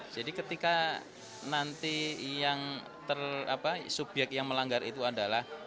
jadi ketika nanti yang terapa subyek yang melanggar itu adalah